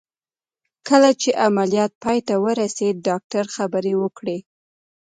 کله چې عمليات پای ته ورسېد ډاکتر خبرې وکړې.